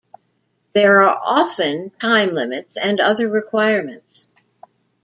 There are often time limits and other requirements.